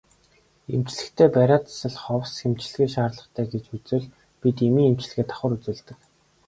Эмчлэхдээ бариа засал ховс эмчилгээ шаардлагатай гэж үзвэл бид эмийн эмчилгээ давхар үзүүлдэг.